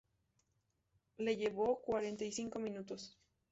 Le llevó cuarenta y cinco minutos.